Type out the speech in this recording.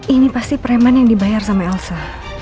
ini pasti preman yang dibayar sama elsa